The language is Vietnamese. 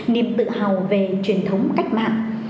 niềm tự hào về truyền thống cách mạng